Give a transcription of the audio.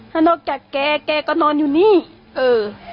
ถ้านอกจากแกแกก็นอนอยู่นี่เออ